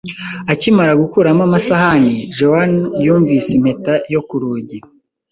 Akimara gukuramo amasahani, Joan yumvise impeta yo ku rugi.